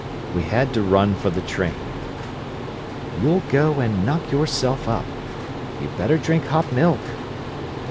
"We had to run for the train." "You'll go and knock yourself up. You'd better drink hot milk."